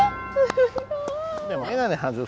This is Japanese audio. すごい。